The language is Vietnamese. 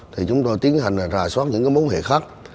thì chúng tôi tiến hành rà soát những mối hệ khác